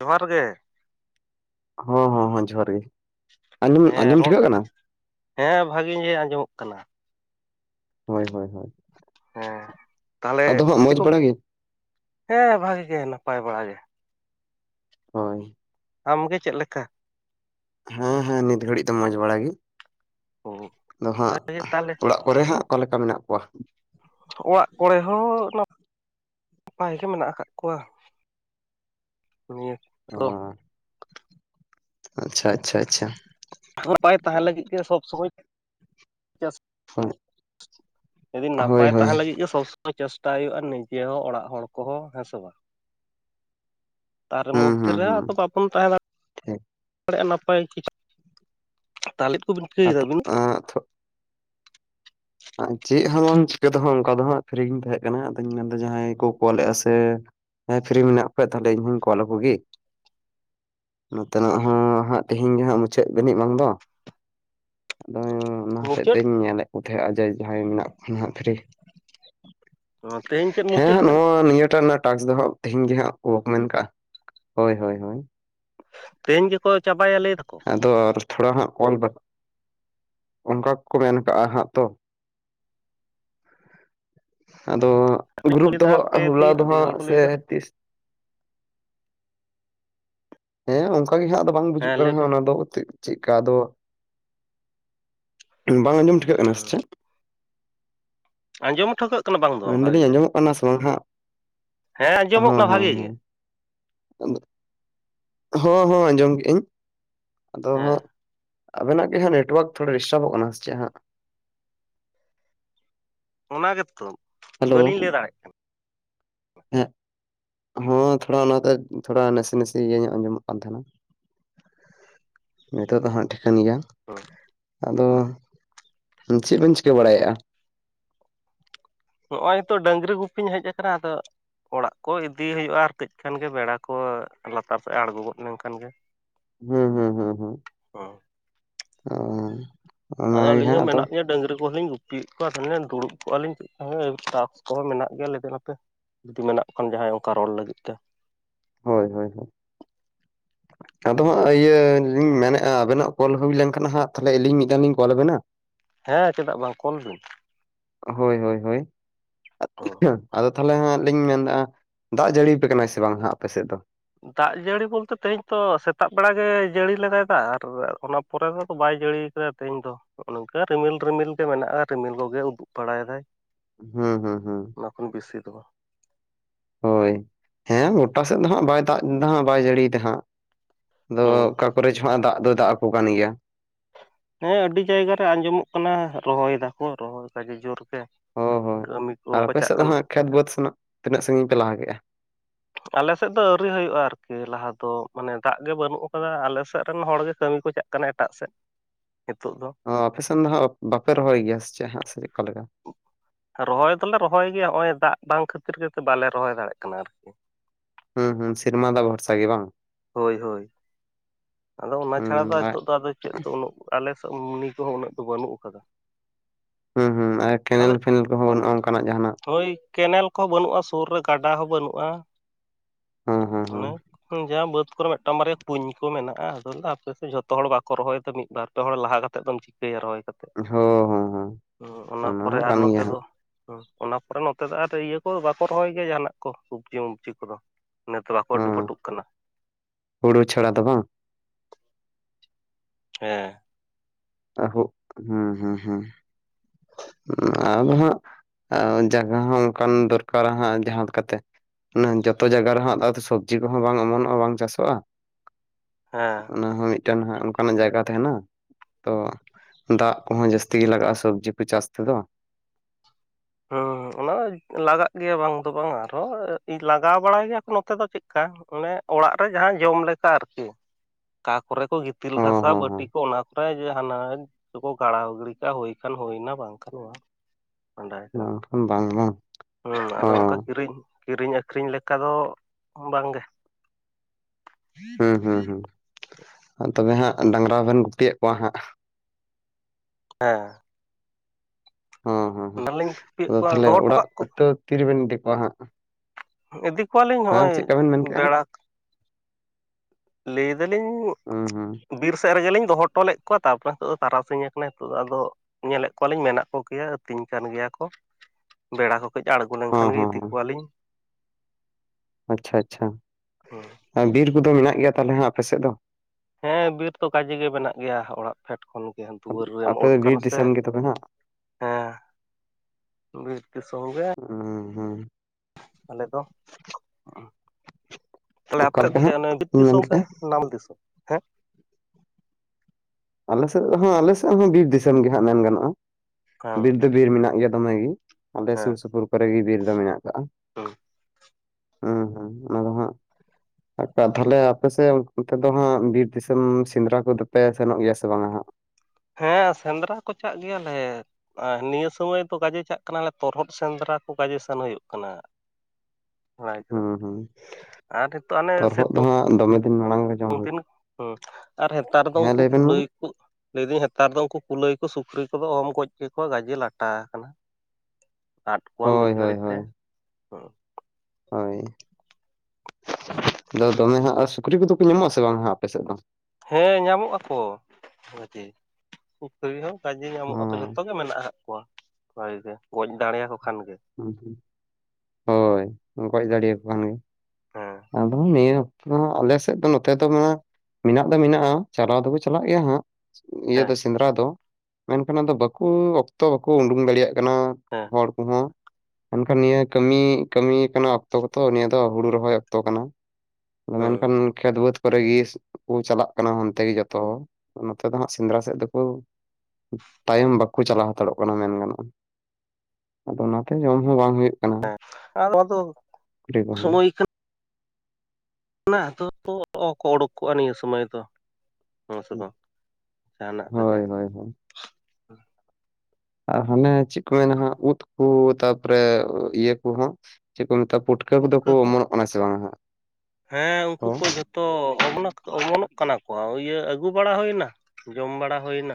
ᱡᱚᱦᱟᱨ ᱜᱮ ᱦᱚᱸ ᱦᱚᱸ ᱦᱚᱸ ᱡᱚᱦᱟᱨ ᱜᱮ ᱟᱸᱡᱚᱢ ᱦᱮᱸ ᱟᱸᱡᱚᱢ ᱨᱚᱲ ᱴᱷᱤᱠᱟᱹᱜ ᱠᱟᱱᱟ ᱦᱮᱸ ᱵᱷᱟᱹᱜᱤ ᱜᱮ ᱟᱸᱡᱚᱢᱚᱜ ᱠᱟᱱᱟ ᱦᱳᱭ ᱦᱳᱭ ᱦᱳᱭ ᱦᱮᱸ ᱛᱟᱦᱚᱞᱮ ᱟᱫᱚ ᱦᱟᱸᱜ ᱪᱮᱫ ᱢᱚᱸᱡᱽ ᱵᱟᱲᱟ ᱜᱮ ᱦᱮᱸ ᱵᱷᱟᱜᱮ ᱜᱮ ᱱᱟᱯᱟᱭ ᱵᱟᱲᱟ ᱜᱮ ᱦᱳᱭ ᱟᱢᱜᱮ ᱪᱮᱫ ᱞᱮᱠᱟ ᱦᱮᱸ ᱦᱮᱸ ᱱᱤᱛ ᱜᱷᱟᱹᱲᱤᱡ ᱫᱚ ᱢᱚᱸᱡᱽ ᱵᱟᱲᱟᱜᱤ ᱟᱫᱚ ᱦᱟᱸᱜ ᱵᱷᱟᱜᱮ ᱜᱮ ᱛᱟᱦᱚᱞᱮ ᱚᱲᱟᱜ ᱠᱚᱨᱮ ᱦᱟᱸᱜ ᱚᱠᱟ ᱞᱮᱠᱟ ᱢᱮᱱᱟᱜ ᱠᱚᱣᱟ ᱚᱲᱟᱜ ᱠᱚᱨᱮ ᱦᱚᱸ ᱱᱟᱯᱟᱭ ᱜᱮ ᱢᱮᱱᱟᱜ ᱟᱠᱟᱫ ᱠᱚᱣᱟ [unintelligible] ᱱᱤᱭᱟᱹ ᱚ ᱨᱚ ᱟᱪᱪᱷᱟ ᱟᱪᱪᱷᱟ ᱟᱪᱪᱷᱟ ᱱᱟᱯᱟᱭ [unintelligible] ᱛᱟᱦᱮᱸ ᱞᱟᱹᱜᱤᱫ ᱜᱮ ᱥᱚᱵᱽ ᱥᱚᱢᱚᱭ [unintelligible] ᱦᱳᱭ ᱱᱟᱯᱟᱭ ᱦᱳᱭ ᱛᱟᱦᱮᱱ ᱞᱟᱹᱜᱤᱫ ᱜᱮ ᱥᱚᱵ ᱥᱚᱢᱚᱭ ᱪᱮᱥᱴᱟᱭ ᱦᱩᱭᱩᱜᱼᱟ ᱱᱤᱡᱮ ᱦᱚᱸ ᱚᱲᱟᱜ ᱦᱚᱲ ᱠᱚᱦᱚᱸ ᱦᱮᱸ ᱥᱮ ᱵᱟᱝ ᱛᱟᱨ ᱦᱩᱸ ᱢᱚᱫᱽᱫᱷᱮ ᱦᱩᱸ ᱨᱮᱦᱚᱸ ᱦᱩᱸ ᱟᱫᱚ ᱵᱟᱵᱚᱱ ᱛᱟᱦᱮᱸ ᱫᱟᱲᱮᱭᱟᱜᱼᱟ ᱴᱷᱤᱠ ᱚᱲᱟᱜ ᱱᱟᱯᱟᱭ ᱠᱤᱪᱷᱩ [unintelligible] ᱛᱟᱞᱮᱫ ᱠᱚᱵᱤᱱ ᱴᱷᱤᱠᱟᱹᱭᱮ ᱟᱫᱚ ᱫᱟᱵᱤᱱ ᱟᱸ ᱛᱷᱚ ᱪᱮᱫ ᱦᱚᱸ ᱵᱟᱝ ᱪᱤᱠᱟᱹ ᱫᱚ ᱦᱟᱸᱜ ᱚᱱᱠᱟ ᱫᱚ ᱦᱟᱸᱜ ᱯᱷᱤᱨᱤ ᱜᱤᱧ ᱛᱟᱦᱮᱸ ᱠᱟᱱᱟ ᱟᱫᱚᱧ ᱢᱮᱱᱫᱟ ᱡᱟᱦᱟᱸᱭ ᱠᱚ ᱠᱚᱞᱼᱟ ᱥᱮ ᱦᱮᱸ ᱯᱷᱤᱨᱤ ᱢᱮᱱᱟᱜ ᱠᱚᱣᱟ ᱛᱟᱦᱚᱞᱮ ᱤᱧᱦᱚᱧ ᱠᱚᱞ ᱟᱠᱚ ᱜᱮ ᱱᱚᱛᱮᱱᱟᱜ ᱦᱚᱸ ᱦᱟᱸᱜ ᱛᱮᱦᱮᱧ ᱜᱮ ᱦᱟᱸᱜ ᱢᱩᱪᱟᱹᱫ ᱵᱟᱹᱱᱤᱡ ᱵᱟᱝ ᱫᱚ ᱟᱫᱚ ᱚᱱᱟ ᱦᱚᱛᱮᱜ ᱢᱩᱪᱟᱹᱫ ᱛᱤᱧ ᱧᱮᱞᱮᱫ ᱠᱚ ᱛᱟᱦᱮᱸᱱᱟ ᱡᱮ ᱡᱟᱦᱟᱸᱭ ᱢᱮᱱᱟᱜ ᱠᱚᱣᱟ ᱯᱷᱤᱨᱤ ᱛᱮᱦᱮᱧ ᱪᱮᱫ ᱦᱮᱸ ᱢᱩᱪᱟᱹᱫ ᱠᱟᱱᱟ ᱱᱚᱣᱟ ᱱᱤᱭᱟᱹᱴᱟᱜ ᱨᱮᱱᱟᱜ ᱴᱟᱠᱥ ᱫᱚ ᱦᱟᱜ ᱛᱮᱦᱮᱧ ᱜᱮ ᱦᱟᱸᱜ ᱠᱚ ᱢᱮᱱ ᱠᱟᱜᱼᱟ ᱦᱳᱭ ᱦᱳᱭ ᱦᱳᱭ ᱛᱮᱦᱮᱧ ᱜᱮᱠᱚ ᱪᱟᱵᱟᱭᱟ ᱞᱟᱹᱭ ᱫᱟᱠᱚ᱾ ᱟᱫᱚ ᱟᱨ ᱛᱷᱚᱲᱟ ᱦᱟᱸᱜ ᱠᱚᱞ ᱵᱟᱠ ᱚᱱᱠᱟ ᱜᱮᱠᱚ ᱢᱮᱱ ᱠᱟᱜᱼᱟ ᱦᱟᱸᱜ ᱛᱚ᱾ ᱟᱫᱚ ᱟᱨ ᱠᱚ ᱜᱩᱨᱩᱯ ᱫᱚ ᱞᱟᱹᱭᱫᱟ ᱟᱨ ᱯᱮ ᱦᱟᱸᱜ ᱦᱚᱞᱟ ᱫᱤᱱ ᱫᱚ ᱟᱹᱰᱤ ᱦᱟᱸᱜ ᱦᱚᱲ ᱠᱚ ᱥᱮ ᱞᱟᱹᱭᱫᱟ ᱛᱤᱥ ᱦᱮᱸ ᱚᱱᱠᱟ ᱜᱮ ᱦᱟᱸᱜ ᱟᱫᱚ ᱵᱟᱝ ᱵᱩᱡᱩᱜ ᱦᱮᱸ ᱞᱟᱹᱭ ᱠᱟᱱᱟᱜ ᱵᱤᱱ ᱚᱱᱟ ᱫᱚ ᱩᱛᱤ, ᱪᱮᱫᱠᱟ ᱟᱫᱚ ᱵᱟᱝ ᱟᱸᱡᱚᱢ ᱴᱷᱤᱠᱟᱹᱜ ᱠᱟᱱᱟ ᱥᱮ ᱦᱩᱸ ᱪᱮᱫ? ᱟᱸᱡᱚᱢ ᱴᱷᱟᱹᱭᱠᱟᱹᱜ ᱠᱟᱱᱟ ᱵᱟᱝ ᱫᱚ ᱵᱟᱝ ᱵᱷᱟᱜᱮ ᱢᱮᱱᱫᱟᱞᱤᱧ ᱜᱮ ᱟᱸᱡᱚᱢᱚᱜ ᱠᱟᱱᱟ ᱥᱮ ᱵᱟᱝ ᱦᱟᱸᱜ [inaudible] ᱦᱮᱸ ᱟᱸᱡᱚᱢᱚᱜ ᱠᱟᱱᱟ ᱵᱷᱟᱜᱮ ᱜᱮ, ᱟᱫᱚ ᱦᱚᱸ ᱦᱚᱸ ᱟᱸᱡᱚᱢ ᱠᱮᱫ ᱟᱹᱧ ᱟᱫᱚ ᱦᱮᱸ ᱦᱟᱸᱜ ᱟᱵᱮᱱᱟᱜ ᱜᱮ ᱦᱟᱸᱜ ᱱᱮᱴᱣᱟᱨᱠ ᱛᱷᱚᱲᱟ ᱰᱤᱥᱴᱟᱵᱚᱜ ᱠᱟᱱᱟ ᱥᱮ ᱪᱮᱫ ᱦᱟᱸᱜ, ᱚᱱᱟ ᱜᱮᱛᱚ ᱦᱮᱞᱳ ᱵᱟᱹᱞᱤᱧ ᱞᱟᱹᱭ ᱫᱟᱲᱮᱜ ᱠᱟᱱᱟ᱾ [unintelligible] ᱦᱚᱸ ᱛᱷᱚᱲᱟ ᱚᱱᱟ ᱫᱚ ᱛᱷᱚᱲᱟ ᱱᱟᱥᱮ ᱱᱟᱥᱮ ᱤᱭᱟᱹ ᱧᱚᱜ ᱟᱸᱡᱚᱢᱚᱜ ᱠᱟᱱ ᱛᱟᱦᱮᱱᱟ, ᱱᱤᱛᱚᱜ ᱫᱚ ᱦᱟᱸᱜ ᱴᱷᱤᱠᱟᱹᱱ ᱜᱮᱭᱟ, [unintelligible] ᱟᱫᱚ ᱪᱮᱫ ᱵᱮᱱ ᱪᱤᱠᱟᱹ ᱵᱟᱲᱟᱭ ᱮᱜᱼᱟ? ᱱᱚᱜᱼᱚᱭ ᱛᱚ ᱰᱟᱹᱝᱨᱤ ᱜᱩᱯᱤᱧ ᱦᱮᱡ ᱟᱠᱟᱱᱟ ᱟᱫᱚ᱾ ᱚᱲᱟᱜ ᱠᱚ ᱤᱫᱤ ᱦᱩᱭᱩᱜᱼᱟ ᱟᱨ ᱠᱟᱹᱡ ᱠᱷᱟᱱᱜᱮ ᱵᱮᱲᱟ ᱠᱚ ᱞᱟᱛᱟᱨ ᱥᱮᱫ ᱮ ᱟᱬᱜᱚ ᱜᱚᱫ ᱞᱮᱱᱠᱷᱟᱱ ᱜᱮ᱾ ᱦᱩᱸ ᱦᱩᱸ ᱦᱩᱸ ᱦᱩᱸ [inaudible] ᱦᱩᱸ ᱟ ᱟᱹᱞᱤᱧ ᱦᱚᱸ ᱢᱮᱱᱟᱜ ᱞᱤᱧᱟ ᱰᱟᱹᱝᱨᱤ ᱠᱚᱦᱚᱸ ᱞᱤᱧ ᱜᱩᱯᱤᱭᱮᱫ ᱠᱚᱣᱟ ᱛᱟᱦᱚᱞᱮ ᱫᱩᱲᱩᱵ ᱠᱚᱜ ᱟᱞᱤᱧ ᱪᱤ ᱦᱮᱸ ᱴᱟᱥᱠ ᱠᱚᱦᱚᱸ ᱢᱮᱱᱟᱜ ᱜᱮᱭᱟ ᱞᱮᱹᱭ ᱫᱟᱹᱧ ᱦᱟᱯᱮ ᱡᱩᱫᱤ ᱢᱮᱱᱟᱜ ᱠᱚ ᱠᱷᱟᱱ ᱡᱟᱦᱟᱸᱭ ᱚᱱᱠᱟ ᱨᱚᱲ ᱞᱟᱹᱜᱤᱫ ᱛᱮ, ᱦᱳᱭ ᱦᱳᱭ ᱦᱳᱭ ᱟᱫᱚ ᱦᱟᱸᱜ ᱤᱭᱟᱹ ᱟᱞᱤᱧ ᱢᱮᱱᱮᱫᱼᱟ ᱟᱵᱮᱱᱟᱜ ᱠᱚᱞ ᱦᱩᱭ ᱞᱮᱱᱠᱷᱟᱱ ᱦᱟᱸᱜ ᱛᱟᱦᱚᱞᱮ ᱟᱹᱞᱤᱧ ᱢᱤᱫ ᱫᱷᱟᱣ ᱞᱤᱧ ᱠᱚᱞ ᱟᱵᱮᱱᱟ, ᱦᱮᱸ ᱪᱮᱫᱟᱜ ᱵᱟᱝ ᱠᱚᱞ ᱵᱤᱱ᱾ ᱦᱳᱭ ᱦᱳᱭ ᱦᱳᱭ [unintelligible] ᱟᱫᱚ ᱛᱟᱦᱚᱞᱮ ᱦᱟᱸᱜ ᱞᱤᱧ ᱢᱮᱱ ᱱᱟᱜᱼᱟ ᱫᱟᱜ ᱡᱟᱹᱲᱤ ᱯᱮ ᱠᱟᱱᱟᱭ ᱥᱮ ᱵᱟᱝ ᱦᱟᱜ ᱟᱯᱮ ᱥᱮᱫ ᱫᱚ? ᱫᱟᱜ ᱡᱟᱹᱲᱤ ᱵᱳᱞᱛᱮ ᱛᱮᱦᱮᱧ ᱛᱚ ᱥᱮᱛᱟᱜ ᱵᱮᱲᱟ ᱜᱮ ᱡᱟᱹᱲᱤ ᱞᱮᱫᱟᱭ ᱫᱟᱜ ᱟᱨ ᱚᱱᱟ ᱯᱚᱨᱮ ᱠᱚᱫᱚ ᱵᱟᱭ ᱡᱟᱹᱲᱤ ᱠᱟᱫᱟ, ᱛᱮᱦᱮᱧ ᱫᱚ ᱱᱚᱜ-ᱚᱭ ᱱᱚᱝᱠᱟ ᱨᱤᱢᱤᱞ ᱨᱤᱢᱤᱞ ᱜᱮ ᱢᱮᱱᱟᱜᱼᱟ ᱨᱤᱢᱤᱞ ᱠᱚᱜᱮ ᱩᱫᱩᱜ ᱵᱟᱲᱟᱭ ᱮᱫᱟᱭ, ᱦᱩᱸ ᱦᱩᱸ ᱦᱩᱸ, ᱚᱱᱟ ᱠᱷᱚᱱ ᱵᱮᱥᱤ ᱫᱚ ᱵᱟᱝ, ᱦᱳᱭ ᱦᱮᱸ ᱜᱚᱴᱟ ᱥᱮᱫ ᱫᱚ ᱦᱟᱸᱜ ᱵᱟᱭ ᱫᱟᱜ ᱫᱟ ᱵᱟᱭ ᱡᱟᱹᱲᱤᱭᱮᱫᱟ ᱦᱟᱸᱜ, ᱟᱫᱚ ᱦᱩᱸ ᱚᱠᱟ ᱠᱚᱨᱮᱡᱽ ᱦᱚᱸ ᱫᱟᱜ ᱫᱚᱭ ᱫᱟᱜ ᱟᱠᱚ ᱠᱟᱱ ᱜᱮᱭᱟ, ᱦᱮᱸ ᱟᱹᱰᱤ ᱡᱟᱭᱜᱟ ᱨᱮ ᱟᱸᱡᱚᱢᱚᱜ ᱠᱟᱱᱟ ᱨᱚᱦᱚᱭ ᱫᱟᱠᱚ ᱨᱚᱦᱚᱭ ᱠᱟᱡᱮ ᱡᱳᱨ ᱜᱮ, ᱦᱚᱸ ᱦᱳᱭ ᱠᱟᱹᱢᱤ ᱟᱨ ᱠᱚᱠᱚ ᱟᱯᱮ ᱪᱟᱜ ᱥᱮᱫ ᱫᱚ ᱠᱟᱱᱟ ᱦᱟᱸᱜ ᱠᱷᱮᱛ ᱵᱟᱹᱫᱽ ᱥᱮᱱᱚᱜ ᱛᱤᱱᱟᱹᱜ ᱥᱟᱺᱜᱤᱧ ᱯᱮ ᱞᱟᱦᱟ ᱠᱮᱫᱼᱟ? ᱟᱞᱮ ᱥᱮᱫ ᱫᱚ ᱟᱹᱣᱨᱤ ᱦᱩᱭᱩᱜᱼᱟ ᱟᱨᱠᱤ ᱞᱟᱦᱟ ᱫᱚ ᱢᱟᱱᱮ ᱫᱟᱜ ᱜᱮ ᱵᱟᱹᱱᱩᱜ ᱟᱠᱟᱫᱟ ᱟᱞᱮ ᱥᱮᱫ ᱨᱮᱱ ᱦᱚᱲᱜᱮ ᱠᱟᱹᱢᱤ ᱠᱚ ᱪᱟᱜ ᱠᱟᱱᱟ ᱮᱴᱟᱜ ᱥᱮᱫ ᱱᱤᱛᱚᱜ ᱫᱚ, ᱚᱸ ᱟᱯᱮ ᱥᱮᱱ ᱫᱚ ᱦᱟᱸᱜ ᱵᱟᱯᱮ ᱨᱚᱦᱚᱭ ᱜᱮᱭᱟ ᱥᱮ ᱪᱮᱫ ᱦᱟᱸᱜ ᱥᱮ ᱪᱮᱫᱠᱟ ᱞᱮᱠᱟ? ᱨᱚᱦᱚᱭ ᱫᱚᱞᱮ ᱨᱚᱦᱚᱭ ᱜᱮᱭᱟ ᱱᱚᱜ-ᱚᱭ ᱫᱟᱜ ᱵᱟᱝ ᱠᱷᱟᱹᱛᱤᱨ ᱜᱮᱛᱚ ᱵᱟᱞᱮ ᱨᱚᱦᱚᱭ ᱫᱟᱲᱮᱭᱟᱜ ᱠᱟᱱᱟ ᱟᱨᱠᱤ, ᱦᱩᱸ ᱦᱩᱸ ᱥᱤᱨᱢᱟ ᱫᱟᱜ ᱵᱷᱚᱨᱥᱟ ᱜᱮ ᱵᱟᱝ, ᱦᱳᱭ ᱦᱳᱭ ᱟᱫᱚ ᱚᱱᱟ ᱪᱷᱟᱲᱟ ᱫᱚ ᱦᱩᱸ ᱟᱫᱚ ᱫᱟᱜ ᱱᱤᱛᱚᱜ ᱫᱚ ᱟᱫᱚ ᱪᱮᱫ ᱫᱚ ᱩᱱᱟᱹᱜ ᱟᱞᱮ ᱥᱮᱫ ᱦᱚᱸ ᱢᱤᱱᱤ ᱠᱚᱦᱚᱸ ᱩᱱᱟᱹᱜ ᱫᱚ ᱵᱟᱹᱱᱩᱜ ᱟᱠᱟᱫᱟ᱾ ᱦᱩᱸ ᱦᱩᱸ ᱟᱨ ᱟᱫᱚ ᱠᱮᱱᱮᱞ ᱯᱷᱮᱱᱮᱞ ᱨᱮᱦᱚᱸ ᱚᱱᱮ ᱚᱱᱠᱟ ᱱᱟᱜ ᱡᱟᱦᱟᱱᱟᱜ, ᱦᱳᱭ ᱠᱮᱱᱮᱞ ᱠᱚᱦᱚᱸ ᱵᱟᱹᱱᱩᱜᱼᱟ ᱥᱩᱨ ᱨᱮ ᱜᱟᱰᱟ ᱦᱚᱸ ᱵᱟᱹᱱᱩᱜᱼᱟ ᱦᱩᱸ ᱦᱩᱸ ᱦᱩᱸ ᱚᱱᱮ ᱡᱟ ᱵᱟᱹᱫᱽ, ᱠᱚᱨᱮ ᱢᱤᱫᱴᱟᱝ ᱵᱟᱨᱭᱟ ᱠᱩᱧ ᱠᱚ ᱢᱮᱱᱟᱜᱼᱟ ᱟᱫᱚ ᱞᱟᱹᱭ ᱫᱟᱹᱧ ᱦᱟᱯᱮ ᱥᱮ ᱡᱷᱚᱛᱚ ᱦᱚᱲ ᱵᱟᱠᱚ ᱨᱚᱦᱚᱭ ᱠᱟᱫᱟ ᱢᱤᱫ ᱵᱟᱨ ᱯᱮ ᱦᱚᱲ ᱞᱟᱦᱟ ᱠᱟᱛᱮ ᱫᱚᱢ ᱪᱤᱠᱟᱹᱭᱟ, ᱯᱮᱭᱟ ᱨᱚᱦᱚᱭ ᱠᱟᱛᱮᱜ ᱦᱚᱸ ᱦᱚᱸ ᱦᱚᱸ ᱚᱱᱟ ᱯᱚᱨᱮ ᱦᱚᱸ ᱟᱨ ᱠᱟᱱ ᱱᱚᱛᱮ ᱜᱮᱭᱟ ᱦᱟᱸᱜ ᱫᱚ ᱦᱚᱸ ᱚᱱᱟ ᱯᱚᱨᱮ ᱱᱚᱛᱮ ᱫᱚ ᱟᱨ ᱤᱭᱟᱹ ᱠᱚ ᱵᱟᱠᱚ ᱨᱚᱦᱚᱭ ᱜᱮᱭᱟ ᱡᱟᱦᱟᱱᱟᱜ ᱠᱚ ᱥᱚᱵᱡᱤ ᱢᱳᱵᱡᱤ ᱠᱚᱫᱚ, ᱤᱱᱟᱹ ᱛᱮ ᱵᱟᱠᱚ ᱟᱹᱴᱩ ᱦᱚᱸ ᱯᱟᱹᱴᱩᱜ ᱠᱟᱱᱟ, ᱦᱩᱲᱩ ᱪᱷᱟᱲᱟ ᱫᱚ ᱵᱟᱝ, ᱦᱮᱸ, ᱟᱦᱳᱜᱽ ᱦᱩᱸ ᱦᱩᱸ ᱦᱩᱸ ᱟᱢ ᱟᱦᱟᱸᱜ ᱡᱟᱭᱜᱟ ᱦᱚᱸ ᱚᱱᱠᱟᱱ ᱫᱚᱨᱠᱟᱨᱟ ᱦᱟᱸᱜ ᱡᱟᱦᱟᱸ ᱞᱮᱠᱟᱛᱮ, ᱢᱟᱱᱮ ᱡᱚᱛᱚ ᱡᱟᱭᱜᱟ ᱨᱮᱦᱚᱸ ᱥᱚᱵᱽᱡᱤ ᱠᱚᱦᱚᱸ ᱵᱟᱝ ᱚᱢᱚᱱᱚᱜᱼᱟ ᱵᱟᱝ ᱪᱟᱥᱚᱜᱼᱟ, ᱦᱮᱸ ᱚᱱᱟ ᱦᱚᱸ ᱢᱤᱫᱴᱟᱱ ᱦᱟᱸᱜ ᱚᱱᱠᱟᱱᱟᱜ ᱡᱟᱭᱜᱟ ᱛᱟᱦᱮᱱᱟ᱾ ᱛᱚ ᱫᱟᱜ ᱠᱚᱦᱚᱸ ᱡᱟᱹᱥᱛᱤ ᱜᱮ ᱞᱟᱜᱟᱜᱼᱟ ᱥᱚᱵᱽᱡᱤ ᱠᱚ ᱪᱟᱥ ᱛᱮᱫᱚ ᱦᱩᱸ ᱚᱱᱟ ᱞᱟᱜᱟᱜ ᱜᱮᱭᱟ ᱵᱟᱝ ᱫᱚ ᱵᱟᱝ ᱟᱨᱚ ᱞᱟᱜᱟᱣ ᱵᱟᱲᱟᱭ ᱜᱮᱭᱟ ᱠᱚ ᱱᱚᱛᱮ ᱫᱚ ᱠᱟᱹᱡ ᱠᱟ ᱢᱟᱱᱮ ᱚᱲᱟᱜ ᱨᱮ ᱡᱟᱦᱟᱸ ᱡᱚᱢ ᱞᱮᱠᱟ ᱟᱨᱠᱤ ᱚᱠᱟ ᱠᱚᱨᱮ ᱠᱩ ᱜᱤᱛᱤᱞ ᱦᱚᱸ ᱜᱷᱟᱥᱟ ᱦᱚᱸ ᱵᱟᱹᱴᱤ ᱦᱚᱸ ᱠᱚ ᱚᱱᱟ ᱠᱚᱨᱮ ᱡᱮ ᱦᱟᱱᱟ ᱱᱩᱠᱩ ᱠᱟᱲᱟᱣ ᱜᱤᱲᱤ ᱠᱟᱜᱼᱟ ᱦᱩᱭ ᱠᱷᱟᱱ ᱦᱩᱭᱱᱟ ᱵᱟᱝᱠᱷᱟᱱ ᱵᱟ᱾ ᱢᱟᱸᱰᱟᱭ ᱫᱟ ᱵᱟᱝᱠᱷᱟᱱ ᱵᱟᱝ ᱵᱟᱝ ᱦᱩᱸᱢ ᱟᱫᱚ ᱚᱱᱠᱟ ᱦᱚᱸ ᱠᱤᱨᱤᱧ ᱠᱤᱨᱤᱧ ᱟᱹᱠᱷᱨᱤᱧ ᱞᱮᱠᱟ ᱫᱚ ᱵᱟᱝ ᱜᱮ᱾ [inaudible] ᱦᱚᱸ ᱛᱚᱵᱮ ᱦᱟᱸᱜ ᱰᱟᱝᱨᱟ ᱵᱮᱱ ᱜᱩᱯᱤᱭᱮᱜ ᱠᱚᱣᱟ ᱦᱟᱸᱜ᱾ ᱦᱮᱸ᱾ ᱦᱮᱸ ᱦᱮᱸ ᱦᱚᱸ ᱚᱱᱟᱞᱤᱧ ᱠᱩᱯᱤᱭᱮᱫ ᱟᱫᱚ ᱠᱚᱣᱟ ᱛᱟᱦᱚᱞᱮ ᱫᱚᱦᱚ ᱦᱚᱴᱚ ᱚᱲᱟᱜ ᱠᱟᱜ ᱠᱚ ᱠᱚᱛᱮ ᱛᱤ ᱨᱮᱵᱤᱱ ᱤᱫᱤ ᱠᱚᱣᱟ ᱦᱟᱸᱜ? ᱤᱫᱤ ᱠᱚᱣᱟᱞᱤᱧ ᱦᱮᱸ ᱦᱚᱜᱼᱚᱭ ᱪᱮᱫ ᱞᱮᱠᱟ ᱵᱮᱱ ᱢᱮᱱ ᱠᱮᱜᱼᱟ ᱦᱟᱸᱜ ᱵᱮᱲᱟ ᱞᱟᱹᱭ ᱫᱟᱞᱤᱧ ᱦᱩᱸ ᱦᱩᱸ ᱵᱤᱨ ᱥᱮᱫ ᱨᱮᱜᱮᱞᱤᱧ ᱫᱚᱦᱚ ᱦᱚᱴᱚ ᱞᱮᱫ ᱠᱚᱣᱟ ᱛᱟᱨᱯᱚᱨᱮ ᱦᱤᱛᱚᱜ ᱫᱚ ᱛᱟᱨᱟᱥᱤᱧ ᱟᱠᱟᱱᱟ ᱱᱤᱛᱚᱜ ᱫᱚ ᱟᱫᱚ ᱧᱮᱞᱮᱜ ᱠᱚᱣᱟᱞᱤᱧ ᱢᱮᱱᱟᱜ ᱠᱚᱜᱮᱭᱟ ᱟᱹᱛᱤᱧ ᱠᱟᱱ ᱜᱮᱭᱟ ᱠᱚ, ᱵᱮᱲᱟ ᱦᱚᱠ ᱠᱟᱹᱡ ᱟᱬᱜᱚ ᱦᱚᱸ ᱞᱮᱱᱠᱷᱟᱱ ᱜᱮ ᱦᱚᱸ ᱤᱫᱤ ᱦᱚᱸ ᱠᱚᱣᱟᱞᱤᱧ᱾ ᱟᱪᱪᱷᱟ ᱟᱪᱪᱷᱟ᱾ ᱦᱟᱹ᱾ ᱵᱤᱨ ᱠᱚᱫᱚ ᱢᱮᱱᱟᱜ ᱜᱮᱭᱟ ᱛᱟᱦᱚᱞᱮ ᱦᱟᱜ ᱟᱯᱮᱥᱮᱫ ᱫᱚ? ᱦᱮᱸ ᱵᱤᱨ ᱛᱚ ᱠᱟᱡᱮ ᱜᱮ ᱵᱮᱱᱟᱜ ᱜᱮᱭᱟ ᱚᱲᱟᱜ ᱯᱷᱮᱰ ᱠᱷᱚᱱ ᱜᱮ ᱫᱩᱣᱟᱹᱨ ᱨᱮᱢ ᱟᱯᱮ ᱳᱰ ᱫᱚ ᱠᱟᱱ ᱵᱤᱨ ᱥᱮ ᱫᱤᱥᱚᱢ ᱜᱮ ᱛᱚᱵᱮ ᱦᱟᱸᱜ ᱦᱮᱸ, ᱵᱤᱨ ᱫᱤᱥᱚᱢ ᱜᱮ᱾ ᱦᱩᱸ ᱦᱩᱸ ᱟᱞᱮ ᱫᱚ᱾ ᱛᱟᱦᱚᱞᱮ ᱟᱯᱮᱭᱟᱜ ᱚᱠᱟᱞᱮᱠᱟ ᱫᱚ ᱪᱮᱜ ᱦᱟᱸᱜ ᱚᱱᱮ ᱵᱤᱨ ᱤᱧ ᱢᱮᱱ ᱫᱤᱥᱚᱢ ᱥᱮ ᱠᱮᱜᱼᱟ ᱱᱟᱢ ᱫᱤᱥᱚᱢ? ᱦᱮᱸ ᱟᱞᱮ ᱥᱮᱫ ᱫᱚ ᱦᱚᱸ ᱟᱞᱮᱥᱮᱜ ᱦᱚᱸ ᱵᱤᱨ ᱫᱤᱥᱚᱢ ᱜᱮ ᱦᱟᱸᱜ ᱢᱮᱱ ᱜᱟᱱᱚᱜᱼᱟ ᱦᱮᱸ ᱵᱤᱨ ᱫᱚ ᱵᱤᱨ ᱢᱮᱱᱟᱜ ᱜᱮᱭᱟ ᱫᱚᱢᱮ ᱜᱤ᱾ ᱟᱫᱚ ᱥᱩᱨ ᱦᱮᱸ ᱥᱩᱯᱩᱨ ᱠᱚᱨᱮ ᱜᱮ ᱵᱤᱨ ᱫᱚ ᱢᱮᱱᱟᱜ ᱟᱠᱟᱜᱼᱟ, ᱦᱩᱸ ᱦᱩᱸ ᱦᱩᱸ ᱚᱱᱟ ᱫᱚ ᱦᱟᱸᱜ ᱟᱯᱮ ᱛᱷᱟᱞᱮ ᱟᱯᱮᱥᱮᱜ ᱚᱱᱛᱮ ᱫᱚ ᱦᱟᱸᱜ ᱵᱤᱨ ᱫᱤᱥᱚᱢ ᱥᱮᱸᱫᱽᱨᱟ ᱠᱚᱫᱚ ᱯᱮ ᱥᱮᱱᱚᱜ ᱜᱮᱭᱟ ᱥᱮ ᱵᱟᱝ ᱟᱸᱦᱟᱸᱜ? ᱦᱮᱸ, ᱥᱮᱸᱫᱽᱨᱟ ᱠᱚ ᱪᱟᱜ ᱜᱮᱭᱟ ᱞᱮ᱾ ᱟ ᱱᱤᱭᱟᱹ ᱥᱩᱢᱚᱭ ᱫᱚ ᱜᱟᱡᱮ ᱪᱟᱜ ᱠᱟᱱᱟᱞᱮ ᱛᱚᱨᱦᱚᱫ ᱥᱮᱸᱫᱽᱨᱟ ᱠᱚ ᱜᱟᱡᱮ ᱥᱮᱱ ᱦᱩᱭᱩᱜ ᱠᱟᱱᱟ᱾ ᱵᱟᱲᱟᱭ ᱦᱩ ᱠᱮᱫᱟᱢ ᱦᱩᱸ, ᱟᱨ ᱛᱚᱨᱦᱚᱫ ᱫᱚ ᱦᱟᱸᱜ ᱫᱚᱢᱮ ᱫᱤᱱ ᱢᱟᱲᱟᱝ ᱨᱮ ᱡᱚᱢ ᱦᱩᱭ ᱩᱝᱠᱤᱱ ᱦᱩᱸ ᱟᱨ ᱦᱮᱛᱟᱨ ᱫᱚ ᱦᱮᱸ ᱩᱱᱠᱩ ᱞᱟᱹᱭ ᱵᱮᱱ ᱢᱟ ᱠᱩᱞᱟᱹᱭ ᱠᱩ ᱞᱟᱹᱭᱫᱟᱹᱧ ᱦᱮᱛᱟᱨ ᱫᱚ ᱩᱱᱠᱩ ᱠᱩᱞᱟᱹᱭ ᱠᱚ ᱥᱩᱠᱨᱤ ᱠᱚᱫᱚ ᱚᱦᱚᱢ ᱜᱚᱡ ᱠᱮᱠᱚᱣᱟ ᱜᱟᱭᱫᱮ ᱞᱟᱴᱟ ᱦᱟᱠᱟᱱᱟ᱾ ᱟᱴ ᱠᱚᱣᱟᱢ ᱢᱤᱫ ᱦᱳᱭ ᱦᱳᱭ ᱜᱷᱟᱹᱲᱤ ᱛᱮ, ᱦᱳᱭ ᱦᱩᱸ᱾ ᱦᱳᱭ, ᱫᱚ ᱫᱚᱢᱮ ᱦᱟᱸᱜ ᱟ ᱥᱩᱠᱨᱤ ᱠᱚᱫᱚ ᱠᱩ ᱧᱟᱢᱚᱜᱼᱟ ᱥᱮ ᱵᱟᱝ ᱦᱟᱸᱜ ᱟᱯᱮ ᱥᱮᱫ ᱫᱚ? ᱦᱮᱸ ᱧᱟᱢᱚᱜ ᱟᱠᱚ ᱦᱮᱸ ᱪᱮ ᱥᱩᱠᱨᱤ ᱦᱚᱸ᱾ ᱠᱟᱡᱮ ᱧᱟᱢᱚᱜᱼᱟ ᱠᱚ ᱡᱷᱚᱛᱚ ᱜᱮ ᱢᱮᱱᱟᱜ ᱦᱟᱜ ᱠᱚᱣᱟ ᱵᱷᱟᱜᱮ ᱜᱮ ᱜᱚᱡ ᱫᱟᱲᱮ ᱟᱠᱚ ᱠᱷᱟᱱ ᱜᱮ᱾ [inaudible] ᱦᱳᱭ ᱜᱚᱡ ᱫᱟᱲᱮᱭᱟᱠᱚ ᱠᱷᱟᱱ ᱜᱮ ᱦᱮᱸ ᱟᱫᱚ ᱱᱤᱭᱟᱹ ᱚᱠᱛᱮ ᱟᱞᱮ ᱥᱮᱫ ᱫᱚ ᱱᱚᱛᱮ ᱫᱚᱢᱮ ᱢᱮᱱᱟᱜ ᱫᱚ ᱢᱮᱱᱟᱜᱼᱟ ᱪᱟᱨᱟᱣ ᱫᱚᱠᱚ ᱪᱟᱞᱟᱜ ᱜᱮᱭᱟ ᱦᱟᱸᱜ᱾ ᱤᱭᱟᱹ ᱦᱮᱸ ᱫᱚ ᱥᱮᱸᱫᱽᱨᱟ ᱫᱚ ᱢᱮᱱᱠᱷᱟᱱ ᱟᱫᱚ ᱵᱟᱠᱩ ᱚᱠᱛᱚ ᱵᱟᱠᱩ ᱩᱰᱩᱝ ᱫᱟᱲᱮᱭᱟᱜ ᱠᱟᱱᱟ ᱦᱮᱸ ᱦᱚᱲ ᱠᱚᱦᱚᱸ ᱢᱮᱱᱠᱷᱟᱱ ᱱᱤᱭᱟᱹ ᱠᱟᱹᱢᱤ ᱠᱟᱹᱢᱤ ᱠᱟᱱᱟ ᱚᱠᱛᱚ ᱠᱚᱛᱚ ᱱᱤᱭᱟᱹ ᱫᱚ ᱦᱩᱲᱩ ᱦᱩᱸ ᱨᱚᱦᱚᱭ ᱚᱠᱛᱚ ᱠᱟᱱᱟ᱾ ᱫᱚ ᱢᱮᱱᱠᱷᱟᱱ ᱠᱷᱮᱛ ᱵᱟᱹᱫᱽ ᱠᱚᱨᱮ ᱜᱤᱥ ᱠᱩ ᱪᱟᱞᱟᱜ ᱠᱟᱱᱟ ᱦᱚᱱᱛᱮ ᱜᱤ ᱡᱚᱛᱚ ᱱᱚᱛᱮ ᱫᱚ ᱦᱟᱸᱜ ᱥᱮᱸᱫᱽᱨᱟ ᱥᱮᱫ ᱫᱚᱠᱩ ᱛᱟᱭᱚᱢ ᱵᱟᱠᱚ ᱪᱟᱞᱟᱣ ᱦᱟᱛᱟᱲᱚᱜ ᱠᱟᱱᱟ ᱢᱮᱱ ᱜᱟᱱᱚᱜᱼᱟᱫᱚ ᱛᱚ ᱡᱚᱢ ᱦᱚᱸ ᱵᱟᱝ ᱦᱩᱭᱩᱜ ᱠᱟᱱᱟ ᱮᱸ ᱟᱨ ᱟᱫᱚ, ᱥᱩᱠᱨᱤ ᱠᱚᱦᱚᱸ ᱥᱚᱢᱚᱭ ᱠᱟᱹ ᱚᱱᱟ ᱟᱛᱩ ᱠᱚ ᱚ ᱠᱚ ᱚᱰᱩᱠ ᱠᱚᱜᱼᱟ ᱱᱤᱭᱟᱹ ᱥᱚᱢᱚᱭ ᱫᱚ᱾ ᱦᱮᱸ ᱥᱮ ᱵᱟᱝ? ᱡᱟᱦᱟᱱᱟᱜ ᱨᱮᱜᱮ ᱦᱳᱭ ᱦᱳᱭ ᱦᱳᱭ ᱟᱨ ᱦᱟᱱᱮ ᱪᱮᱫ ᱠᱚ ᱢᱮᱱᱟ ᱦᱟᱜ ᱩᱫᱠᱩ ᱛᱟᱯᱚᱨᱮ ᱤᱭᱟᱹ ᱠᱚᱦᱚᱸ ᱪᱮᱫ ᱠᱚ ᱢᱮᱛᱟᱜᱼᱟ ᱯᱩᱴ? ᱯᱤᱠᱟᱹ ᱠᱚᱫᱚ ᱠᱚ ᱚᱢᱚᱱᱚᱜ ᱠᱟᱱᱟ ᱥᱮ ᱵᱟᱝᱟ ᱦᱟᱸᱜ ᱚ? ᱛᱚ ᱚᱢ ᱚᱢᱚᱱᱚᱜ ᱠᱟᱱᱟ ᱠᱚ ᱤᱭᱟᱹ ᱟᱹᱜᱩ ᱵᱟᱲᱟ ᱦᱩᱭᱮᱱᱟ? ᱡᱚᱢ ᱵᱟᱲᱟ ᱦᱩᱭᱱᱟ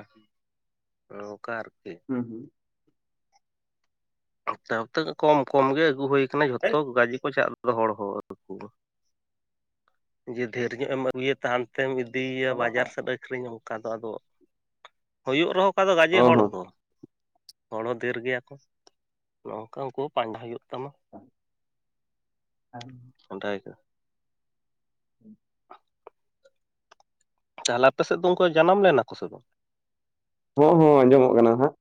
ᱚᱱᱠᱟ ᱟᱨᱠᱤ ᱦᱩᱸ ᱦᱩᱸ ᱚᱠᱛᱟ ᱚᱯᱛᱮ ᱠᱚᱢ ᱠᱚᱢ ᱜᱮ ᱟᱹᱜᱩ ᱦᱩᱭ ᱟᱠᱟᱱᱟ ᱡᱷᱚᱛᱚ ᱜᱟᱡᱤ ᱠᱚ ᱪᱟᱞ ᱞᱮᱫᱟ ᱦᱚᱲ ᱦᱚᱸᱩᱠᱩ᱾ ᱡᱮ ᱰᱷᱮᱨ ᱧᱚᱜ ᱮᱢ ᱟᱹᱜᱩᱭᱟ ᱛᱟᱦᱟᱱᱛᱮᱢ ᱤᱫᱤᱭᱮᱭᱟ ᱵᱟᱡᱟᱨ ᱥᱮᱫ ᱟᱹᱠᱷᱨᱤᱧᱟ ᱚᱱᱠᱟ ᱫᱚ ᱟᱫᱚ, ᱦᱩᱭᱩᱜ ᱨᱮᱦᱚᱸ ᱠᱟ ᱫᱚ ᱜᱟᱡᱮ ᱦᱚᱸ ᱦᱚᱲ ᱦᱚᱸ ᱫᱚ ᱦᱚᱲᱚ ᱫᱷᱮᱨ ᱜᱮᱭᱟ ᱠᱚ ᱱᱚᱝᱠᱟ ᱩᱱᱠᱩ ᱯᱟᱸᱰᱟᱟᱣ ᱦᱩᱭᱩᱜ ᱛᱟᱢᱟ᱾ [inaudible] ᱚᱴᱟᱭ ᱞᱮᱠᱟ, ᱟᱦ ᱛᱟᱦᱚᱞᱮ ᱟᱯᱮ ᱥᱮᱫ ᱫᱚ ᱩᱱᱠᱩ ᱡᱟᱱᱟᱢ ᱞᱮᱱᱟ ᱠᱚ ᱥᱮ ᱵᱟᱝ? ᱦᱚᱸ ᱦᱚᱸ ᱟᱸᱡᱚᱢᱚᱜ ᱠᱟᱱᱟ ᱦᱟᱸᱜ᱾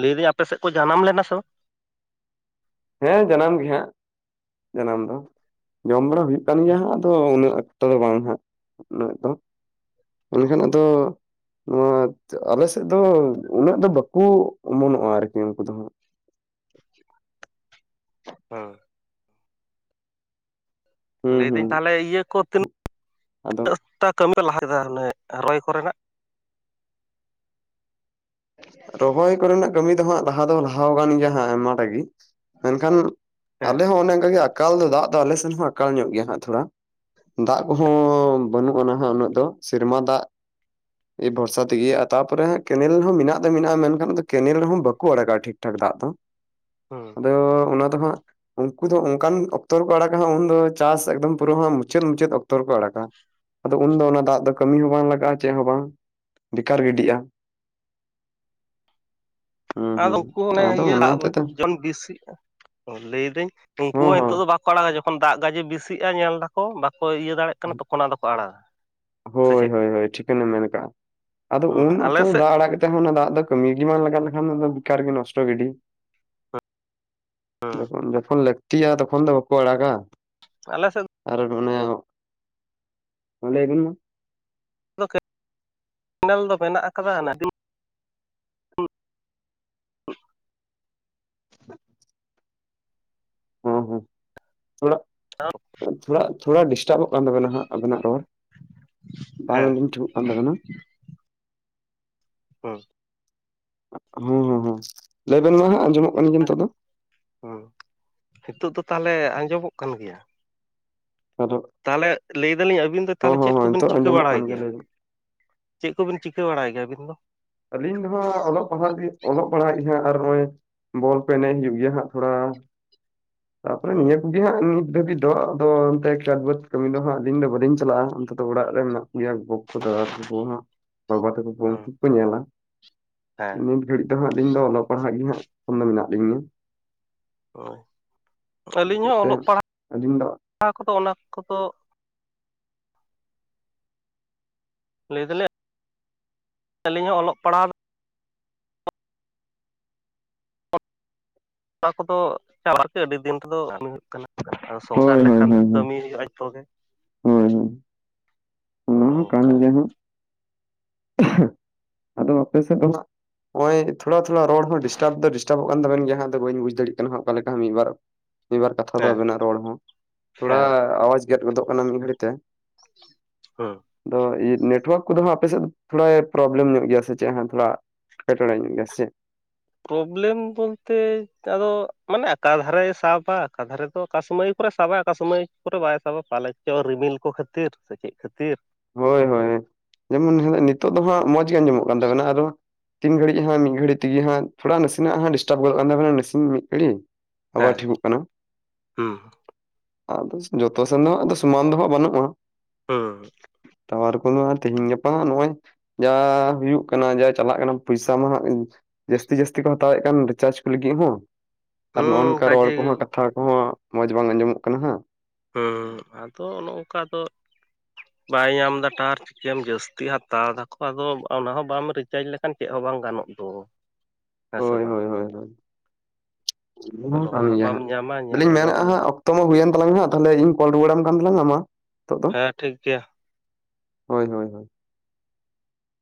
ᱞᱟᱹᱭ ᱫᱟᱹᱧ ᱟᱯᱮ ᱥᱮᱫ ᱠᱚ ᱡᱟᱱᱟᱢ ᱞᱮᱱᱟ ᱥᱮ ᱵᱟᱝ? ᱦᱮᱸ ᱡᱟᱱᱟᱢ ᱜᱮ ᱦᱟᱸᱜ ᱡᱟᱱᱟᱢ ᱫᱚ᱾ ᱡᱚᱢ ᱵᱟᱲᱟ ᱦᱩᱭᱩᱜ ᱠᱟᱱ ᱜᱮᱭᱟ ᱦᱟᱜ ᱟᱫᱚ ᱩᱱᱟᱹᱜ ᱟᱠᱴᱟ ᱫᱚ ᱵᱟᱝ ᱦᱟᱜ ᱩᱱᱟᱹᱜ ᱫᱚ᱾ ᱵᱟᱝ ᱮᱠᱷᱟᱱ ᱟᱫᱚ᱾ ᱱᱚᱣᱟ ᱟᱞᱮᱥᱮᱫ ᱫᱚ ᱩᱱᱟᱹᱜ ᱫᱚ ᱵᱟᱠᱩ ᱚᱢᱚᱱᱚᱜ-ᱟ ᱟᱨᱠᱤ ᱩᱱᱠᱩ ᱫᱚᱦᱟᱸᱜ᱾ ᱦᱚᱸ ᱞᱟᱹᱭ ᱦᱟᱸᱜ ᱦᱩᱸ ᱦᱩᱸ ᱫᱟᱹᱧ ᱛᱟᱦᱚᱞᱮ ᱤᱭᱟᱹ ᱠᱚ ᱛᱤᱱᱟᱹᱜ ᱟᱫᱚ ᱛᱤᱱᱟᱹᱜᱴᱟ ᱠᱟᱹᱢᱤ ᱠᱚ ᱞᱟᱦᱟ ᱠᱮᱫᱟ ᱚᱱᱮ ᱨᱚᱭ ᱠᱚᱨᱮᱱᱟᱜ, ᱨᱚᱦᱚᱭ ᱠᱚᱨᱮᱱᱟᱜ ᱠᱟᱹᱢᱤ ᱫᱚ ᱦᱟᱸᱜ ᱞᱟᱦᱟ ᱫᱚ ᱞᱟᱦᱟ ᱟᱠᱟᱱ ᱜᱮᱭᱟ ᱦᱟᱸᱜ ᱟᱭᱢᱟᱴᱟᱜᱮ ᱢᱮᱱᱠᱷᱟᱱ᱾ ᱦᱮᱸ ᱟᱞᱮ ᱦᱚᱸ ᱚᱱᱮ ᱚᱱᱠᱟᱜᱮ ᱟᱠᱟᱞ ᱫᱚ ᱫᱟᱜ ᱫᱚ ᱟᱞᱮ ᱥᱮᱱ ᱦᱚᱸ ᱟᱠᱟᱞ ᱧᱚᱜ ᱜᱮᱭᱟ ᱦᱟᱸᱜ ᱛᱷᱚᱲᱟ᱾ ᱫᱟᱜ ᱠᱚᱦᱚᱸ ᱵᱟᱹᱱᱩᱜ ᱟ ᱱᱟᱦᱟᱜ ᱩᱱᱟᱹᱜ ᱫᱚ ᱥᱮᱨᱢᱟ ᱫᱟᱜ᱾ ᱮ ᱵᱷᱚᱨᱥᱟ ᱛᱮᱜᱮ ᱛᱟᱯᱚᱨᱮ ᱦᱟᱸᱜ ᱠᱮᱱᱮᱞ᱾ ᱢᱮᱱᱟᱜ ᱫᱚ ᱢᱮᱱᱟᱜ-ᱟ ᱢᱮᱱᱠᱷᱟᱱ ᱠᱮᱱᱮᱞ ᱨᱮᱦᱚᱸ ᱵᱟᱠᱚ ᱟᱲᱟᱜ-ᱟ ᱴᱷᱤᱠ ᱴᱷᱟᱠ ᱫᱟᱜ ᱫᱚ᱾ ᱦᱩᱸ ᱟᱫᱚ ᱚᱱᱟ ᱫᱚ ᱦᱟᱸᱜ᱾ ᱩᱱᱠᱩ ᱫᱚ ᱚᱱᱠᱟᱱ ᱚᱠᱛᱚ ᱨᱮᱠᱚ ᱟᱲᱟᱜᱟ ᱩᱱᱫᱚ ᱪᱟᱥ ᱮᱠᱫᱚᱢ ᱯᱩᱨᱟᱹ ᱦᱟᱸᱜ ᱢᱩᱪᱟᱹᱫ ᱢᱩᱪᱟᱹᱫ ᱚᱠᱛᱚ ᱨᱮᱠᱚ ᱟᱲᱟᱜᱟ᱾ ᱟᱫᱚ ᱩᱱᱫᱚ ᱚᱱᱟ ᱫᱟᱜ ᱫᱚ ᱠᱟᱹᱢᱤ ᱦᱚᱸ ᱵᱟᱝ ᱞᱟᱜᱟᱜ-ᱟ ᱪᱮᱫ ᱦᱚᱸ ᱵᱟᱝ ᱵᱮᱠᱟᱨ ᱜᱤᱰᱤᱜ-ᱟ᱾ ᱦᱩᱸ ᱟᱫᱚ ᱦᱩᱸ ᱩᱱᱠᱩ ᱚᱱᱮ ᱟᱫᱚ ᱤᱭᱟᱹ ᱚᱱᱟ ᱫᱟᱜ ᱦᱚᱛᱮᱡ ᱛᱮ ᱡᱚᱱ ᱵᱤᱥᱤᱜ-ᱟ ᱞᱟᱹᱭᱫᱟᱹᱧ ᱩᱱᱠᱩ ᱦᱚᱸ ᱱᱤᱛ ᱫᱚ ᱵᱟ᱾ ᱵᱟᱠᱚ ᱟᱲᱟᱜᱟ ᱡᱚᱠᱷᱚᱱ ᱫᱟᱜ ᱜᱟᱡᱮ ᱵᱮᱥᱤᱜ-ᱟ ᱧᱮᱞ ᱫᱟᱠᱚ ᱵᱟᱠᱚ ᱤᱭᱟᱹ ᱫᱟᱲᱮᱭᱟᱜ ᱠᱟᱱᱟ ᱛᱚᱠᱷᱚᱱ ᱟᱫᱚᱠᱚ ᱟᱲᱟᱜᱟ᱾ ᱥᱮ ᱦᱳᱭ ᱪᱮᱫ ᱦᱳᱭ ᱦᱳᱭ ᱴᱷᱤᱠᱟᱹᱱᱮᱢ ᱢᱮᱱ ᱟᱠᱟᱜ-ᱟ ᱟᱫᱚ ᱦᱩᱸ ᱩᱱ ᱚᱠᱛᱚ ᱟᱞᱮ ᱥᱮᱫ ᱫᱟᱜ ᱟᱲᱟᱜ᱾ ᱠᱟᱛᱮ ᱦᱚᱸ ᱚᱱᱟ ᱫᱟᱜ ᱫᱚ ᱠᱟᱹᱢᱤ ᱜᱮ ᱵᱟᱝ ᱞᱟᱜ ᱞᱮᱠᱷᱟᱱ ᱫᱚ ᱵᱮᱠᱟᱨ ᱜᱮ ᱱᱚᱥᱴᱚ ᱜᱤᱰᱤ᱾ ᱡᱚᱠᱷᱚᱱ ᱡᱚᱠᱷᱚᱱ ᱞᱟᱹᱠᱛᱤᱭᱟ ᱛᱚᱠᱷᱚᱱ ᱫᱚ ᱵᱟᱠᱚ ᱟᱲᱟᱜᱟ᱾ ᱟᱞᱮ ᱥᱮᱫ᱾ ᱟᱨ ᱢᱟᱱᱮ, ᱞᱟᱹᱭ ᱵᱤᱱ ᱢᱟ᱾ [unintelligible] ᱠᱮᱱᱮᱞ ᱫᱚ ᱢᱮᱱᱟᱜ ᱟᱠᱟᱫᱟ ᱱᱟᱵᱤᱱ? [unintelligible] ᱦᱮᱸ ᱦᱮᱸ ᱚᱲᱟᱜ ᱪᱟᱞᱟᱜ᱾ ᱛᱷᱚᱲᱟ ᱰᱤᱥᱴᱟᱵᱚᱜ ᱠᱟᱱ ᱛᱟᱵᱮᱱᱟ ᱦᱟᱸᱜ, ᱟᱵᱮᱱᱟᱜ ᱨᱚᱲ ᱵᱟᱝ ᱦᱮᱸ ᱟᱸᱡᱚᱢ ᱴᱷᱤᱠᱚᱜ ᱠᱟᱱ ᱛᱟᱵᱮᱱᱟ᱾ [unintelligible] ᱦᱚᱸ ᱦᱮᱸ ᱦᱮᱸ ᱞᱟᱹᱭᱵᱮᱱ ᱢᱟ ᱦᱟᱜ ᱟᱸᱡᱚᱢᱚᱜ ᱠᱟᱱ ᱜᱮ ᱱᱤᱛᱚᱜ ᱫᱚ᱾ ᱦᱩᱸ ᱦᱤᱛᱚᱜ ᱫᱚ ᱛᱟᱦᱚᱞᱮ ᱟᱸᱡᱚᱢᱚᱜ ᱠᱟᱱ ᱜᱮᱭᱟ᱾ ᱟᱫᱚ ᱛᱟᱦᱚᱞᱮ ᱞᱟᱹᱭ ᱫᱟᱞᱤᱧ ᱟᱹᱵᱤᱱ ᱫᱚ ᱦᱚᱸ ᱛᱟᱦᱚᱞᱮ ᱦᱚᱸ ᱪᱮᱫ ᱦᱚᱸ ᱠᱚᱵᱤᱱ ᱱᱤᱛᱚᱜ ᱪᱤᱠᱟᱹ ᱟᱸᱡᱚᱢᱚᱜ ᱵᱟᱲᱟᱭ ᱠᱟᱱ ᱜᱮᱭᱟ? ᱞᱟᱹᱭ ᱵᱮᱱ ᱪᱮᱫ ᱠᱚᱵᱤᱱ ᱪᱤᱠᱟᱹ ᱵᱟᱲᱟᱭ ᱜᱮᱭᱟ ᱟᱵᱤᱱ ᱫᱚ? ᱟᱹᱞᱤᱧ ᱫᱚᱦᱟᱜ ᱚᱞᱚᱜ ᱯᱟᱲᱦᱟᱜ ᱜᱮ ᱚᱞᱚᱜ ᱯᱟᱲᱦᱟᱜ ᱜᱮᱦᱟᱸᱜ ᱞᱤᱧ ᱟᱨ ᱱᱚᱜ-ᱚᱭ᱾ ᱵᱚᱞ ᱯᱮ ᱮᱱᱮᱡ ᱦᱩᱭᱩᱜ ᱜᱮᱭᱟ ᱦᱟᱸᱜ ᱛᱷᱚᱲᱟ ᱾ ᱛᱟᱯᱚᱨᱮ ᱦᱮᱸ ᱱᱤᱭᱟᱹ ᱠᱩᱜᱤ᱾ ᱦᱟᱸᱜ ᱱᱤᱛ ᱫᱷᱟᱹᱵᱤᱡ ᱫᱚ ᱟᱫᱚ ᱚᱱᱛᱮ ᱠᱷᱮᱛ ᱵᱟᱫ ᱠᱟᱹᱢᱤ ᱫᱚ ᱦᱟᱸᱜ ᱟᱞᱤᱧ ᱫᱚ ᱵᱟᱹᱞᱤᱧ ᱪᱟᱞᱟᱜ-ᱟ᱾ ᱚᱱᱛᱮ ᱫᱚ ᱚᱲᱟᱜ ᱨᱮ ᱢᱮᱱᱟᱜ ᱵᱚᱭᱦᱟ ᱜᱚᱜᱚ ᱛᱟᱠᱚ ᱫᱟᱫᱟ ᱛᱟᱠᱚ ᱠᱚ ᱦᱟᱸᱜ ᱵᱟᱵᱟ ᱛᱟᱠᱚ ᱠᱚ ᱦᱮᱸ ᱩᱱᱠᱩ ᱠᱚ ᱧᱮᱞᱟ᱾ ᱦᱮᱸ ᱜᱷᱟᱹᱲᱤᱡ ᱫᱚ ᱦᱟᱸᱜ ᱟᱹᱞᱤᱧ ᱫᱚ ᱚᱞᱚᱜ ᱯᱟᱲᱦᱟᱜ ᱜᱮ ᱦᱟᱸᱜ ᱯᱷᱚᱱ ᱫᱚ ᱢᱮᱱᱟᱜ ᱞᱤᱧᱟᱹ᱾ ᱦᱳ ᱟᱹᱞᱤᱧ ᱦᱚᱸ ᱛᱮ ᱚᱞᱚᱜ ᱟᱹᱞᱤᱧ ᱫᱚ ᱯᱟᱲᱦᱟᱜ ᱠᱚᱫᱚ ᱚᱱᱟ ᱠᱚᱫᱚ ᱞᱟᱹᱭ ᱫᱟᱞᱮᱧ ᱟᱹᱞᱤᱧ ᱦᱚᱸ ᱚᱞᱚᱜ ᱯᱟᱲᱦᱟᱣ ᱚᱱᱟ ᱠᱚᱫᱚ ᱪᱟᱞᱟᱜ [unintelligible] ᱟᱨᱠᱤ ᱟᱹᱰᱤ ᱫᱤᱱ ᱨᱮᱫᱚ ᱠᱟᱹᱢᱤ ᱦᱩᱭᱩᱜ ᱠᱟᱱᱟ [unintelligible] ᱥᱚᱝᱥᱟᱨ ᱦᱳᱭ ᱦᱳᱭ ᱞᱮᱠᱷᱟᱱ ᱦᱳᱭ ᱦᱳᱭ ᱠᱟᱹᱢᱤ ᱦᱩᱭᱩᱜᱼᱟ ᱡᱚᱛᱚ ᱜᱮ ᱦᱳᱭ ᱦᱳᱭ ᱚᱱᱟ ᱚᱱᱮ ᱦᱚᱸ ᱠᱟᱱ ᱚᱱᱠᱟ ᱜᱮ ᱟᱫᱚ ᱟᱯᱮ ᱥᱮᱫ ᱫᱚ ᱦᱟᱜ᱾ ᱱᱚᱜ ᱚᱭ ᱛᱷᱚᱲᱟ ᱛᱷᱚᱲ ᱨᱚᱲ ᱦᱚᱸ ᱰᱤᱥᱴᱟᱵ ᱫᱚ ᱰᱤᱥᱴᱟᱵᱚᱜ ᱠᱟᱱ ᱛᱟᱵᱮᱱ ᱜᱮᱭᱟᱟᱸᱜ ᱵᱟᱹᱧ ᱵᱩᱡ ᱫᱟᱲᱮᱭᱟᱜ ᱠᱟᱱᱟᱜ ᱚᱠᱟ ᱞᱮᱠᱟ ᱢᱤᱫ ᱵᱟᱨ ᱢᱤᱫ ᱵᱟᱨ ᱠᱟᱛᱷᱟ ᱫᱚ ᱦᱮᱸ ᱟᱵᱮᱱᱟᱜ ᱨᱚᱲ ᱦᱚᱸ ᱛᱷᱚᱲᱟ ᱦᱮᱸ ᱟᱣᱟᱡᱽ ᱜᱮᱫ ᱜᱚᱫᱚᱜ ᱠᱟᱱᱟ ᱢᱤᱫ ᱜᱷᱟᱹᱲᱤᱡ ᱛᱮ ᱦᱩᱸ ᱟᱫᱚ ᱱᱮᱴᱣᱟᱨᱠ ᱠᱚᱫᱚ ᱟᱯᱮᱥᱮᱫ ᱛᱷᱚᱲᱟᱭ ᱯᱨᱚᱵᱞᱮᱢ ᱧᱚᱜ ᱜᱮᱭᱟ ᱥᱮ ᱪᱮᱫ ᱛᱷᱚᱲᱟ? ᱮᱴᱚᱲ ᱧᱚᱜ ᱜᱮᱭᱟ ᱥᱮ ᱪᱮᱫ? ᱯᱨᱚᱵᱞᱮᱢ ᱵᱚᱞᱛᱮ ᱟᱫᱚ ᱢᱟᱱᱮ ᱟᱠᱟᱠᱟ ᱫᱷᱟᱨᱮ ᱥᱟᱵᱟ ᱟᱠᱟᱠᱟ ᱫᱷᱟᱨᱮ ᱫᱚ᱾ ᱚᱠᱟ ᱥᱚᱢᱚᱭ ᱠᱚᱨᱮ ᱥᱟᱵᱟᱭ ᱚᱠᱟ ᱥᱚᱢᱚᱭ ᱠᱚᱨᱮ ᱵᱟᱭ ᱥᱟᱵᱟ ᱯᱟᱞᱮ ᱪᱚ ᱨᱤᱢᱤᱞ ᱠᱚ ᱠᱷᱟᱹᱛᱤᱨ ᱥᱮ ᱪᱮᱫ ᱠᱷᱟᱹᱛᱤᱨ ᱦᱳᱭ ᱦᱳᱭ ᱡᱮᱢᱚᱱ ᱦᱟᱜ ᱱᱤᱛᱚᱜ ᱫᱚ ᱦᱟᱸᱜ ᱢᱚᱡᱽ ᱜᱮ ᱟᱸᱡᱚᱢᱚᱜ ᱠᱟᱱ ᱛᱟᱵᱮᱱᱟ ᱟᱨᱦᱚᱸ ᱛᱤᱱ ᱜᱷᱟᱹᱲᱤᱡ ᱦᱟᱸᱜ ᱢᱤᱫ ᱜᱷᱟᱹᱲᱤᱡ ᱛᱮᱜᱮ ᱦᱟᱸᱜ ᱛᱷᱚᱲᱟ ᱱᱟᱥᱮᱱᱟᱜ ᱦᱟᱸᱜ ᱰᱤᱴᱟᱵ ᱜᱚᱫ ᱠᱟᱱ ᱛᱟᱵᱮᱱᱟ, ᱱᱟᱥᱮ ᱢᱤᱫ ᱜᱷᱟᱲᱤᱡ ᱟᱵᱟᱨ ᱦᱮᱸ ᱴᱷᱤᱠᱚᱜ ᱠᱟᱱᱟ᱾ ᱦᱩᱸ ᱟᱫᱚ ᱡᱚᱛᱚ ᱥᱮᱱ ᱫᱚᱦᱟᱸᱜ ᱥᱚᱢᱟᱱ ᱫᱚ ᱦᱟᱸᱜ ᱵᱟᱹᱱᱩᱜᱼᱟ᱾ ᱦᱩᱸ ᱛᱟᱣᱟᱨ ᱠᱚᱫᱚ ᱛᱮᱦᱮᱧ ᱜᱟᱯᱟ ᱱᱚᱜᱼᱚᱭ ᱡᱟ ᱦᱩᱭᱩᱜ ᱠᱟᱱᱟ ᱡᱟ ᱪᱟᱞᱟᱜ ᱠᱟᱱᱟ ᱯᱚᱭᱥᱟ ᱢᱟ ᱦᱟᱜ ᱡᱟᱥᱛᱤ ᱡᱟᱥᱛᱤ ᱠᱚ ᱦᱟᱛᱟᱣᱮᱫ ᱠᱟᱱ ᱨᱤᱪᱟᱨᱡ ᱠᱚ ᱞᱟᱹᱜᱤᱫ ᱦᱚᱸ᱾ ᱟᱨ ᱱᱚᱜ ᱚ ᱦᱩᱸ ᱱᱚᱝᱠᱟ ᱨᱚᱲ ᱠᱟᱡᱮ ᱠᱚᱦᱚᱸ ᱠᱟᱛᱷᱟ ᱠᱚᱸᱦᱚᱸ ᱢᱚᱸᱡᱽ ᱵᱟᱝ ᱟᱸᱡᱚᱢᱚᱜ ᱠᱟᱱᱟ᱾ ᱦᱮᱸ ᱟᱫᱚ ᱚᱱᱮ ᱱᱚᱝᱠᱟ ᱫᱚ ᱵᱟᱭ ᱧᱟᱢ ᱮᱫᱟ ᱴᱟᱣᱟᱨ᱾ ᱪᱮᱢ ᱡᱟᱹᱥᱛᱤ ᱦᱟᱛᱟᱣ ᱫᱟᱠᱚ ᱟᱫᱚ ᱚᱱᱟ ᱦᱚᱸ ᱵᱟᱢ ᱨᱤᱪᱟᱨᱡᱽ ᱞᱮᱠᱷᱟᱱ ᱪᱮᱫ ᱦᱚᱸ ᱵᱟᱝ ᱜᱟᱱᱚᱜ ᱫᱚ᱾ ᱦᱮᱥᱮ ᱦᱳᱭ ᱵᱟᱝ᱾ ᱦᱳᱭ ᱦᱳᱭ ᱦᱳᱭ ᱨᱚᱲ ᱦᱚᱸ ᱵᱟᱢ ᱧᱟᱢᱟ ᱧᱮᱞ ᱦᱚᱸ ᱵᱟᱢ ᱧᱟᱢᱟ᱾ ᱛᱚ ᱧᱮᱞ ᱛᱟᱞᱟᱝ ᱦᱟᱸ ᱛᱟᱦᱚᱞᱮ ᱤᱧ ᱠᱚ ᱨᱩᱣᱟᱹᱲ ᱟᱢ ᱠᱟᱱ ᱛᱟᱞᱟᱝ ᱦᱟ ᱢᱟ ᱱᱤᱛᱚᱜ ᱫᱚ ᱦᱮᱸ ᱴᱷᱤᱠ ᱜᱮᱭᱟ᱾ ᱦᱳᱭ ᱦᱳᱭ ᱦᱳᱭ